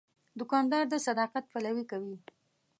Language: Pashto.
دوکاندار د صداقت پلوي کوي.